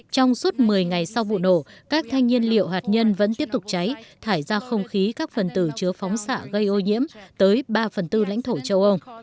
trong suốt một mươi ngày sau vụ nổ các thanh nhiên liệu hạt nhân vẫn tiếp tục cháy thải ra không khí các phần tử chứa phóng xạ gây ô nhiễm tới ba phần tư lãnh thổ châu âu